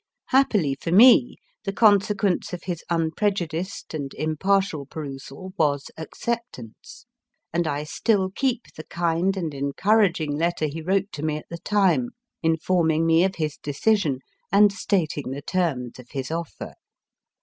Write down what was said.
Happily for me, the consequence of his unprejudiced and 208 MY FIRST BOOK impartial perusal was acceptance ; and I still keep the kind and encouraging letter he wrote to me at the time, informing me of his decision, and stating the terms of his offer.